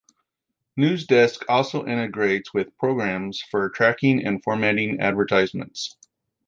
Newsdesk also integrates with programs for tracking and formatting advertisements.